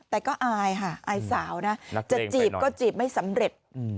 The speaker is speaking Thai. แต่ก็อายค่ะอายสาวนะจะจีบก็จีบไม่สำเร็จ